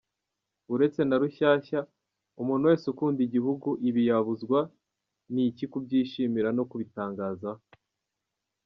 Uretse na Rushyashya, umuntu wese ukunda igihugu, ibi yabuzwa n’iki kubyishimira no kubitangaza !